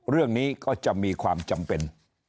เรื่องนี้ก็จะมีความจำเป็น